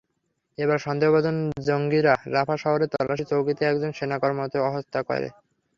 এরপর সন্দেহভাজন জঙ্গিরা রাফা শহরের তল্লাশি চৌকিতে একজন সেনা কর্মকর্তাকে হত্যা করে।